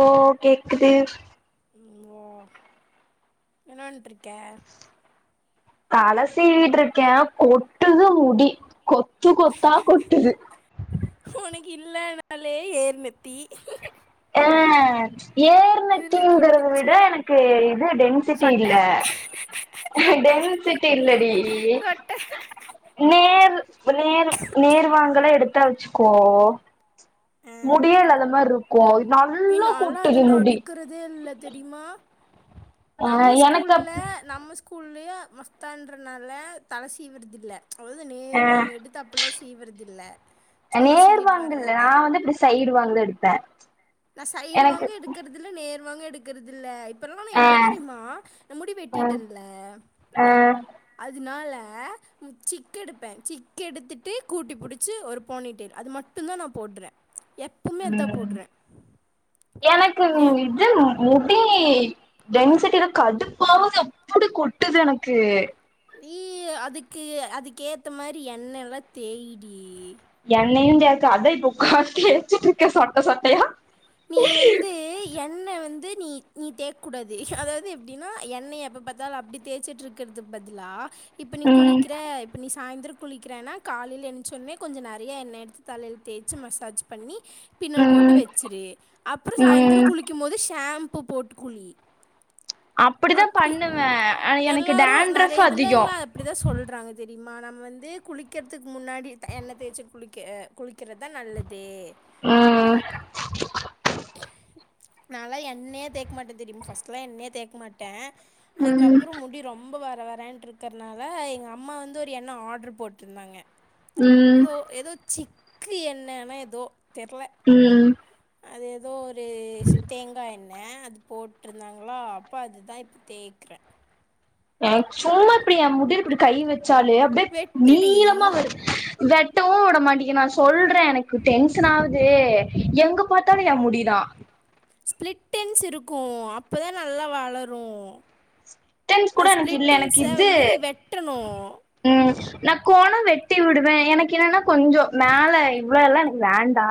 ஓ கேக்குது. ஓ என்ன பன்ட்ருக்க தல சீவிட்ருக்கே கொட்டுது முடி. கொத்து கொத்தா கொட்டுது. உனக்கு இல்லனாலே ஏர்நெத்தி அ இதுல ஏர்நெத்திங்கிறத விட கொட்டுச்சுன்னா எனக்கு இது டென்சிட்டி சொட்ட இல்ல சொட்ட டென்சிட்டி இல்லடி சொட்ட நேர் நேர் நேர்வாங்கல எடுத் ட வச்சுக்கோ ஆ முடியே இல்லாத மாறி இருக்கு நீ நல்லா நான்லா கொட்டுது அதெல்லா முடி எடுக்கிறதே இல்ல தெரியுமா ஆ நம்ம எனக்கு ஸ்கூல்ல அப் நம்ம ஸ்கூல்லயே மஸ்தான்றனால தலசீவுறது இல்ல முதல்ல ஆ நேர் வாங்கு எடுத்து அப்படில்லா சீவறது இல்ல சும்மா சீவிட்டு நேர்வாங்கல்ல நா வர்றதுதா. வந்து இப்டி சைடு வாங்கல எடுப்பே நான் சைட் எனக்கு வாங்கு எடுக்குறதில்ல நே நேர்வாங்கு எடுக்குறதில்ல [unintelligible] ஆ எப்டி தெரியுமா ந முடி ஆ வெட்டிட்டேன்ல ஆ அது அதனால சிக் எடுப்பே சிக் எடுத்துட்டு கூட்டி புடிச்சி ஒரு போனி டெயில் அது மட்டும் தா நா போடுறே எப்பவுமே இதா ம் போடுறேன் எனக்கு இது இது முடி டென்சிட்டியில கடுப்பாவது அப்படி கொட்டுது எனக்கு நீ அதுக்கு அதுக்கேத்த மாறி எண்ணெயெல்லா தேயிடி ய எண்ணெயுந்தான் அதா இப்ப உக்காந்து தேச்சுட்டுருக்கேன் சொட்ட சொட்டயா நீ வந்து என்ண வந்து நீ நீ தேக்கூடாது அதாவது எப்டின்னா எண்ணெய எப்ப பாத்தாலு அப்டி தேய்ச்சிட்றுக்கதுக்கு பதிலா இப்ப நீ ம் குளிக்ற இப்ப நீஸ் சாய்ந்தர குளிக்கறன்னா காலைல ஏஞ்ச ஒட்ன கொஞ்ச நெறைய எண்ணெ எடுத்து தலைல தேச்சி மசாஜ் பண்ணி பின்னல் போட்டு ம் வெச்சிரு அப்ற சாயந்தர ம் குளிக்கும் போது ஷா ஆம்ப்பு போட்டு குளி அப்டிதா அப்டி பண்ணுவே ஆனா எனக்கு எல்லாரூ டேண்ட்ரஃப் நெறைய அதிகோ இதுலேல்லா அப்டிதா சொல்றாங்க இது திம்மா நம்ம வந்து குளிக்றதிக்கு முன்னாடி என்ன தேச்சு குளிக்க குளிக் கிறதா நல்லதே ம் அப்டீன்ட்டு நால்லா என்னே தேக்க மாட்டே தெரிம் ஃபர்ஸ்ட்லா என்னே தேக்க மாட்டே ம் அதுக்கப்றோ முடி ரொம்ப வர த வரேன்ட்ருக்றனால எங்க அம்மா வந்து ஒரு எண்ண ஆர்டர் போட்ருந்தாங்க ம் இதோ எதோ சிக் இட்லி என்னன்ன ஏதோ தெரில உம் அது எதோ ஒரு தேங்கா எண்ணெ அது போட்ருந்தாங்ளா அப்ப அதுதா இப்ப தேக்றே அ சும்மா பிரியா முடிர் இப்டி கை வச்சாலே அப்டியே வெட்டுடி நீளமா வரூ வெ டோ விட மாட்டேக்கின் நா சொல் ப்பர எனக்கு டென்ஷன் ஆவுத் தே எங்க பாத்தாலூ ஏ முடி தா ஸ்பிளிட் என்ட்ஸ் இருக்கு அப்பதா நல்லா வளரு டென்ஸ் கூட எனக்கு இல்ல எனக்கு இது வெட்டணும் உம் நா கோணம் வெட்டி விடுவேன் எனக்கு கென்னன்னா கொஞ்சோ மேல இவ்வளோலா எனக் வேண்டா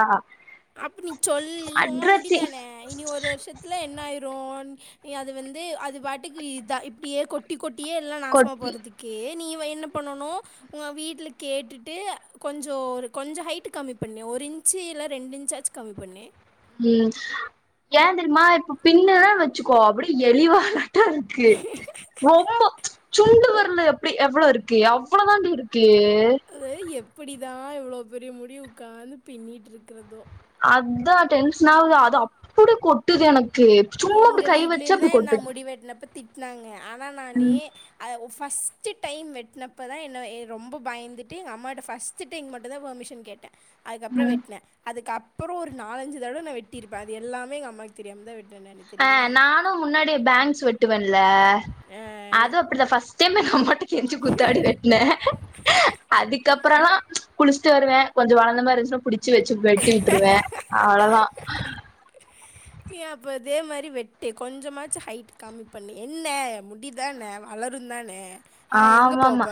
அப்ப நீ சொல்லி ஓ அட்ரத்தி முடிதானே இனி ஒரு வருஷத்துல என்ன ஆயிரும் நீ அது வந்து அது வாட்டுக்கு இது ஆ இப்டியே கொட்டி கொ டீ எல்லா நாசமா கொட்டி போறதிக்கு நீ ப்பா என்ன பண்ணனு உங்க வீட்டல கேட்டுட்டு கொஞ்சோ ஒரு கொஞ்ச ஹைட் கம்மி பண்ணி ஒரு இன்ச்சு இல்ல ரெண்டு இன்ச் சாச் கம்மி பண்ணி உம் ஏ தெரிமா இப்ப பின்னே வச்சிக்கோ அப்டி எலி வாலா ட்டு இருக்கு ரொம்பொ சுண்டு வெரலு எப்டி எவ்ள இருக்கு அவ்ளோ தாண்டி இருக் ப்ளே எப்படிதான் எவ்ளோ பெரிய முடிவய உட்காந்து பின்னிட்டு இருக்கிறதோ அத்தா டென்ஷன் ஆகுது அது அப்படி கொட்டுது எனக் கு சும்மா அப்படி கை வெச்சா அப்படி கொட்டுது திட்னாங்க ஆனா நானே ம் அத ஃப் ஃபர்ஸ்ட்டு டைம் வெட்னப்பதான் இன்னும் ரொம்ப பயந்துட்டு எங்க அம்மா கிட்ட ஃபர்ஸ்ட்டு டைம் மட்டுந்தான் பர்மிஷன் கேட்டே அதுக்கப்புற ம் வெட்ன அதுக்கு அப் அப்பறோ ஒரு நாலஞ்சு தடவ நா வெட்டிருப்பே அது எல்லாமே எங்க அம்மாக் தெரியாம தா வெட் ஆ நானும் முன்னாடி பேங்க்ஸ் வெட்டுவ இல்ல அஹ் அது ஏ- அப்படித்தா ஃபர்ஸ்ட் டைமு அம்மாட்ட கெஞ்சி கூத்தாடி வெட்ட அதுக்கப்புறல்லா குளிச்சுட்டு வருவ கொஞ்சோ வளந்த மாதிரி இருந்துச்சுன்னா புடிச் சி வெச்சு வெட்டிவுட்ருவே அவ்ளோ தா நீ அப்போ இதே மாரி வெட்டி கொஞ்சமாச்சு ஹைட் கம்மி பண்ணு என்னா முடிதானே வளருந்தானே ஆமா ஆமா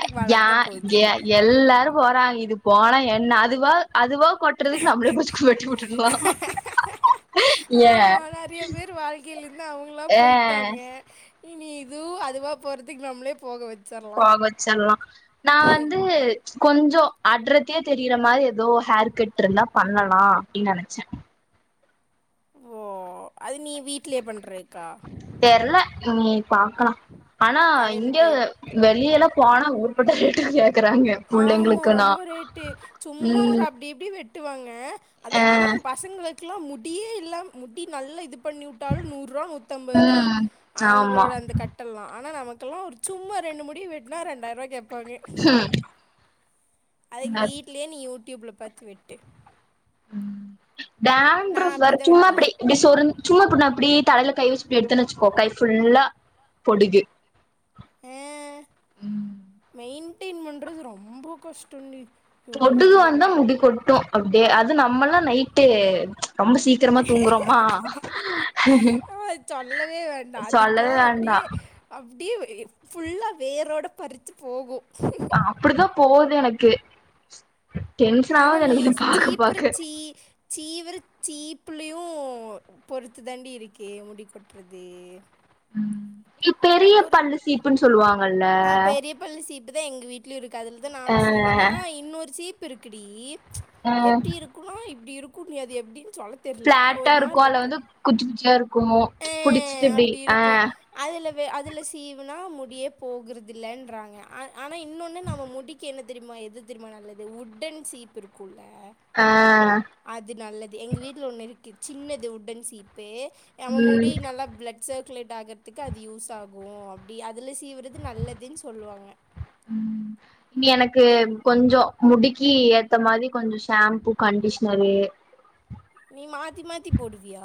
எ ஏ வளர்தான் போகுது ஏ யா எல் எல்லாரு போறாங்க இது போனா என் நா அதுவா அதுவா கொட்டுறதுக்கு நம்மளே புடிச்சி வெட்டி விட்டரலா ஏ ஆமா நெறைய பேர் வாழ்க்கையிலருந்து அவங்களா ஏ போயிட்டாங்க. இனி இது அதுவா போறதுக்கு நம்மளே போக வெ போக வெச்சிடலா நா வந்து கொஞ்ஜோ அடர்த்தியா தெரியிற மாரி எதோ ஹேர் கட் இருந்தா பண்ணலா அப்படினு நெனச்ச ஓ அது நீ வீட்லயே பண்ற தெர்ல இனி பாக்கலா ஆனா கடையில இங்க போய் வெளியெல்லா போனா [unintelligible] [unintelligible] ஆமா புள்ளைங்களுக்குனா ரொம்ப ரேட்டு சும்மா ஒரு ம் அப்டி இப்டி வெட் ட்டுவாங்க அது அ ஆனா பசங்களுக் கில்லா முடியே இல்ல முடி நல்லா இது பண்ணிவுட்டாலு நூர்ருவா நூத்தம்பது தா ம் ஆமா அவங்களோட அந்த கட்டெல்லா ஆனா நமக் இப்பெல்லா ஒரு சும்மா ரெண்டு முடி வெட்டுனா ரெண்டாயிர ரூபா கேப் பாங்க அதுக்கு வீட்லயே நீ வுட் யூடியூப்ல பாத்து வெட்டு ம் நான் டேண்ட்ரஃப் அப்படி வேற தான் சும்மா இப்படி வெட்டினேன் இப்படி சொறுஞ் சும்மா இப்படி இப்படி தலுக். கைவச்சி இப்படி எடுத்தோன் வெச்சுக்கோ கை ஃபுல்லா. பொடுகு. அஹ் மெய்ன். ட்டின் பண்றது ரொம்ப கஷ்டோ டி. பொடுகு வந்தா முடி கொட்டு அப். எ அதுனா நம்மல்லா நைட்டு ரொம்ப சீக்கிரமா தூங்குறோமா ஆமாம், சொல்லவே வேண்டாம் சொல்லவே வேண்டா [unintelligible] ஃபுல்லா வேரோட படிச்சு போகு அப்படிதா போது எனக்கு. டென்ஷன்ஆகுது எனக்கு இது பாக்க பாக்க. சீவர சீப்புலேயு பொறுத்து தாண்டி இருக்கு முடி கொட்றது. ம். [unintelligible] பெரிய பல்லுசீப்புன் சொல்லுவாங்கல்ல. அதா எங்க வீட்டுயு ருக்கு. அதுல தா அ நானு சீவ ஆனா இன்னொரு சீப். பிருக்குடி. அ எப்படி இருக்குனா இப்படியிருக். கூட்னியே அது எப்டி. பிளாட்டா இருக்கு அதுள வந்து குச்சி குச்சியா இருக்கு க்கு ஆ புடிச்சிட்டு இப்டி அப்டி அ. ந முடியே போகுறது இல்லன்றாங்க. ஆனா இன்னொன்னு நாம முடிக்கென. தெரியும்மா எது தெரியும்மா நல்லது உட்டன் சீப் இருக்குல. ஆ அது நல்லது எங்க வீட்ல ஒண்ணு இருக்கு சின்னது உட்டன் சீப். பே அவ முடி ம் நல்லா பிளட் சர்க்குலேட் ஆகறதுக்கு அது யூஸ் ஆகு அப்டி அதுல சீவுறது நல்லதுன்னு சொல்லுவாங்க. ம் நீ எனக்கு கொஞ்சொ முடுக்கி எ அந்த மாரி கொஞ்சோ ஷாம்பூ கண்டிஷ்னரு. நீ மாத்தி மாத்தி போடுவியா?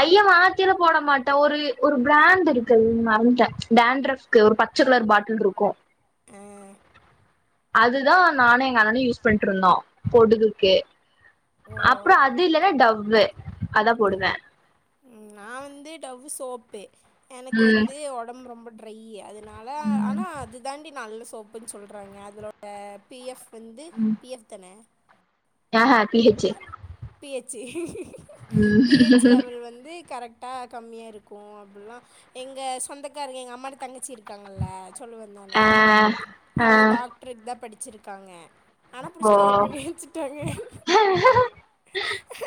ஐயோ மாத்திர போட மாட். ஒரு ஒரு பிராண்ட் இருக்கு மறந்ட டண்ட்ரஃப்க்கு ஒரு பச்ச கலர் பாட்டில்ட்ருக்கு அ அதுதா நானு எங்க அண்ணனு யூஸ் பண்ட்டு இருந்தோ பொடுகுக்கு. ஓ அப்றோ அது இல்லனா டவ்வு. அதா போடுவ உம் நா வந்து டவ்வு சோப்பு எனக்கு ம் வந்து உடம்பு ரொம்ப ட்ரை அது னால ம் ஆனா அது தாண்டி நல்ல சு போப்பு சொல்றாங்க அதுநுட பி எஃப். வந்து பி எஃப் தான [unintelligible] B H A P H A உஹம் கரெக்டா கம்மியா இருக்கு அப்புல்லா எங்க சொந்தக்கார எங்க அம்மாட தங்கச்சி இருக்காங்கல்ல சொல்ல ஆ வந்தானே ஆ அவங்க டாக்டருக்கு தா படிச் சிருக்காங்க ஆனா புடிச்சு ஓ கல்யாணம் பண்ணி வச்சுட்டாங்க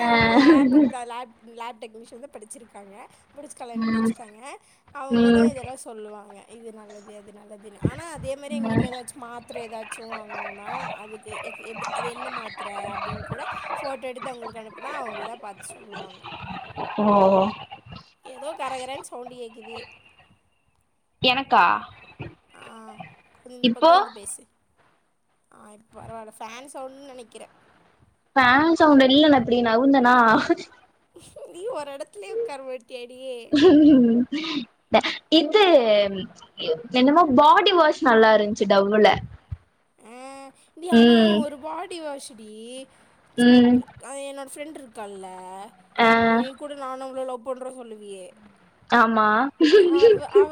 ஆ அவங்க லாபுக்கு ம் தா லப் லேப் டெக்னிஷிசன்த படிச்சிருக்காங்க புடுச்சி கல்யாணம் பண்ணி ம் வச்சுட்டாங்க அவங்க தா ம் இதெல்லா சொல்லுவாங்க இது நல்லதே ல்லது நல்லது ஆனா அதே மாரி எங்க வீட்டில ஏதாச்சு மாத்திர ஏதாச்சு வாங்கினும்னா அதுக்குஎத் எத் அது என்ன மாத்திர அப்ப உல போட்டோ எடுத்து அவுங்களுக்கு அனுப்புனா அவுங்கதா பாத்து சொல்லுவாங்க போ ஏதோ கரகர ஸ் சவுண்ட்டு கேக்குது கா ஆ குரி இந்த பக்கோ வந்து பேசு ஆ இப்ப பரவால்ல ஃபேன் சவுண்னு நெனைக்கிற ஃபேன் சவுண்ட்டு இல்லன் அப்பிடி நவுன்தனா நீ வரத் இது என்னமோ பாடி வாஷ் நல்லா இருந்துச்சு டவ்ள ஆஹ் டி ஆனா ஒரு பாடி வாஷ் டி அது ம் தெத் அது என்னோட ஃப்ரெண்ட்ருக்கால்ல ஆ நீ கூடு நானு அவ்ளு லவ் பண்றோ சொல்லுவியே ஆமா அவ அவ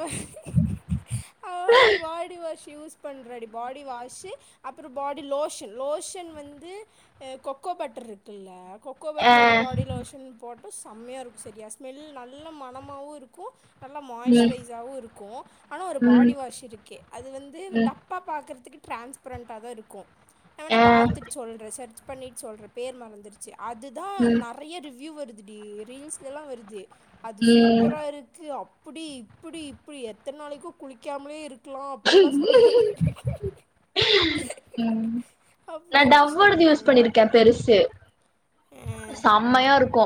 அவ வந்து பாடி வாஷ் யூஸ் பண்றாடி பாடி வா ஷு அப்பற பாடி லோஷன் லோஷன் வந்து கொகோ பட்டர்ரு இருக்குல்ல கொக்கோ ஆ பட்டரோட பாடி லோஷன் சம்மையா இருக்கு செரியா ஸ்மெல் நல்ல மனமாவு இருக்கு நல்லா ம் மாய்ஷ்ரைஸாவு இருக்கு ஆனா ஒரு ம் பாடி வாஷ் இருக்கு அது வந்து ம் டப்பா பாக்கற்த்துக்கு ட்ரான்ஸ்ப்ரண்ட்டாதா இருக்கு நா வேணா ஆ பாத்துட் சொல்ற சர்ச் பண்ணிட்டு சொல்ற பேர் மறந்துருக்க அதுதா ம் நறைய ரிவ்வியூ வரு துடி ரீல்ஸ்லேல்லா வருது அது ம் சூப்பரா இருக்கு அப் இப்படி இப்படி இப்படி எத்தனை நாளைக்கு குளிக்காமலே க்லா அப்புல்லா சொல்றாங் ம் நா அப்படிலாம் டவ்வோடது யூஸ் சொல்கிறாங்க பண்ணிருக்கே பெருசு ஆ சம்மையா இருக்கு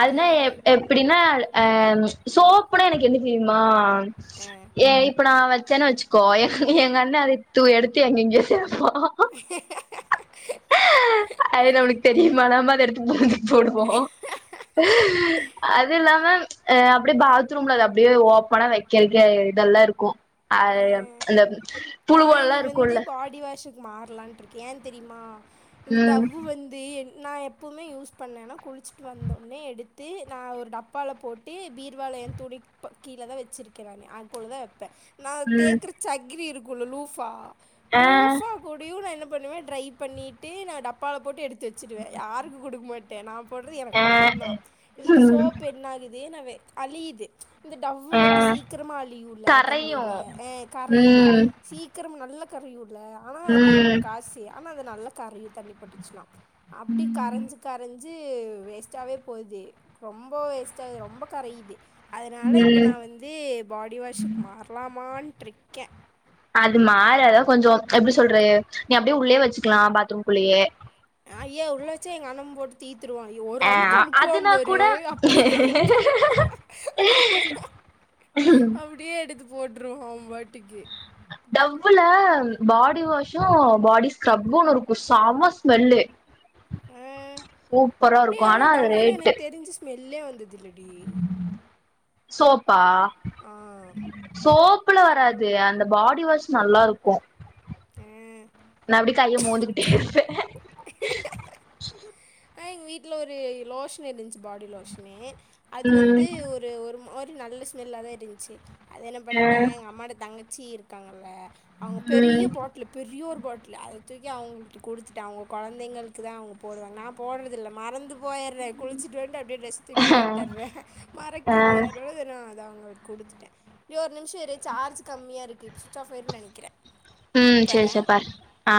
அதுனா ஆ எப் எப்படின்னா ஆஹ் சோப்புனா எனக்கு என்ன தெரியுமா ஏ இப்ப நா வந் ச்சன்னா வெச்க்கோ எங் எங்க எங்கண்ண அத தூ எடுத்து எங்கேங்கங்யோ வெப்பா ஆ அது நம்மளுக்கு தெரியுமா நம்ம அது எடுத் [unintelligible] போடுவோ அதுல்லாம அ அப்புடே பாத்ரூம்ல அது அப்புடே ஓப்பனா வெக்கேறக்கே இதெல்லா இருக்கு அ அந்த புழுவோல்லா இருக்குல்ல மாற்லான்ட்ருக்கே ஏன் தெரியுமா இந்த ம் டவ்வு வந்து என் நா எப்பவுமே யூஸ் பண்ணேன்னா குளிச்சிட்டு வந்தோன்னே எடுத்து நா ஒரு டப்பால போட்டு பீர்வால என் துணிக் ப கீழேதா வெச்சிருக்கே நானு அதுக்குள்ளதா வெப்பே நா ம் தேக்குற சக்கிரி இருக் குல்லுலூஃபா ஆ லூஃபா குடியூன் நா என்னப் பண்ணுவே ட்ரை பண்ணிட்டு நான் டப்பால போட்டூ எடுத் த்து வச்சுருவே யாருக்கு கொடுக் மாட் [unintelligible] போட்றது எனக்கு ஆ மட்டுந்தா இது து ம் சோப் என்னாகுத் வேன்னவே அலியிது இந்த டவ்வு வந்து ஆ சீக்குரமா அழியுல்ல தண்ணி கரையு ஆஹ் கரையுது ம் சீக்கிரம் நல்ல [unintelligible] [unintelligible] ஆனா அது எவ்வளோ ம் காசி ஆனா அது நல்ல கரையு தண்ணி பட்டுச்சுனா அப்டி கரைஞ்சு கரைஜ் து வேஸ்டாவே போகுது ரொம்ப வேஸ்ட்டாது ரொம்ப கரையீது அதனால இப்ப ம் நா வந்து பாடி வாஷ்கு [unintelligible] மான்றிக்க அது மாராது கொஞ்ஜோ எப்டி சொல்ற நீ அப்படியே உள்ளயே வச்சுக்கலா பாத்ரூம்குள்ளயே அய்யா உள்ளாட்சி எங்க அண்ணம் போட்டுத்தீ துருவா ஏ ஒரு ஆ அமுக்கு அமுக்குவா அதுனா பாரு கூட அப்படியே எடுத்துவா [inaudible] அப்படியே எடுத் போட்டுருவோ ஓம்பாட்டுக்கு டவ்வுல பாடி வாஷு பாடி ஸ்க்ரப்புன்னு இருக்கும் சம்ம ஸ்மெல்லு ஆ. சூப்பரா இருக்கும் ஆனா அது ரேட்டு இல்லேவ் [unintelligible] தில்லடி சோப்பா சோப் அப்பல வராது அந்த பாடி வாஷ் நல்லாருக்கும் [unintelligible] கைய மோந்துகிட்டே ஆ இருப்பே எங்க வீட்ல ஒரு லோஷன் இருந்துச்சு பாடி லோஷனே அது ம் வந்து ஒரு ஒரு [unintelligible] நல்ல ஸ்மெல்லாதா இருந்ச்சு அது என்ன ஆ பண்ட்ட எங்க அம்மாட்ட தங்க ச்சி இருக்காங்கல்ல அவங்க பெரிய ம் பாட்ல்லு பெரியோர் பாட்ல [unintelligible] தூக்கி அவுங்குள்ட்ட குடுத்துட்டே அவுங்க கொழந்தைங்கள்க்குதா அவுங்க போடுவாங்க நா போட்ற தில்ல மறந்துப் போயர்றே குளிச்சுட்டு வந்ட்டு அப்டியே ட்ரெஸ் தூக் போட்டர்றே மறக்குது எ [unintelligible] து அவுங்கள்க் குடுத்துட்டே [unintelligible] [unintelligible] நிமிஷ இரு சார்ஜ் கம்மியா இருக் கே இப் சுச் ஆஃப் ஆயிருன் நெனைக்கிறே ம் செரி செரி பாரு ஆ